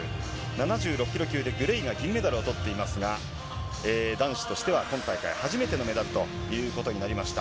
７６キロ級でグレイが銀メダルをとっていますが、男子としては今大会、初めてのメダルということになりました。